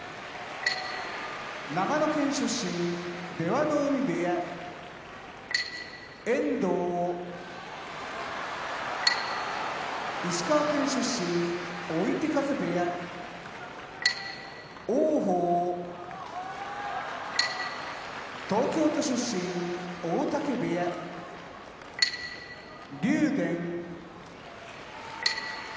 長野県出身出羽海部屋遠藤石川県出身追手風部屋王鵬東京都出身大嶽部屋竜電山梨県出身